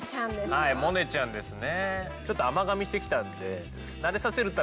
はいモネちゃんですね。